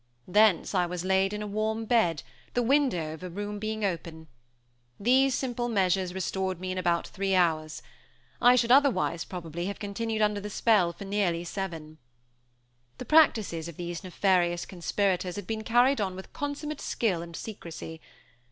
Thence I was laid in a warm bed, the window of the room being open. These simple measures restored me in about three hours; I should otherwise, probably, have continued under the spell for nearly seven. The practices of these nefarious conspirators had been carried on with consummate skill and secrecy.